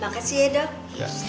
makasih ya dok